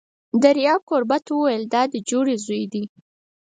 دریاب کوربه ته وویل: دا دې جوړې زوی دی!